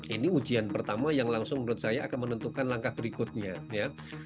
ini ujian pertama yang langsung menurut saya akan menentukan langkah berikutnya ya